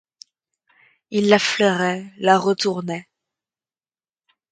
Il la flairait, la retournait.